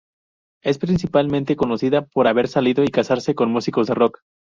Es principalmente conocida por haber salido y casarse con músicos de rock.